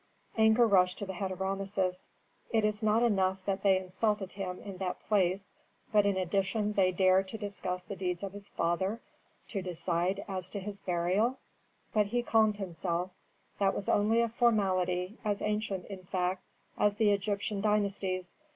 Anger rushed to the head of Rameses. "It was not enough that they insulted him in that place, but in addition they dare to discuss the deeds of his father, to decide as to his burial." But he calmed himself; that was only a formality, as ancient, in fact, as the Egyptian dynasties.